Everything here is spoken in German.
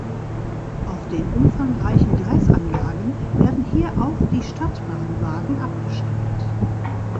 Auf den umfangreichen Gleisanlagen werden hier auch die Stadtbahnwagen abgestellt.